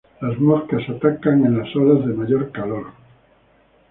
Las moscas atacan en las horas de mayor calor.